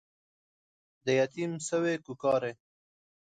د يتيم سوې کوکارې